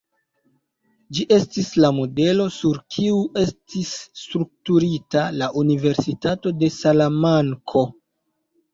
Ĝi estis la modelo sur kiu estis strukturita la Universitato de Salamanko.